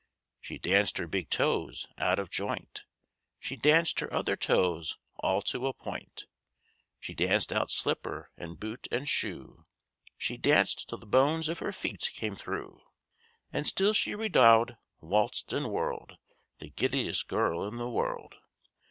She danced her big toes out of joint; She danced her other toes all to a point; She danced out slipper and boot and shoe; She danced till the bones of her feet came through. And still she redowaed, waltzed, and whirled The giddiest girl in the world.